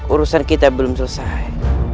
urusan kita belum selesai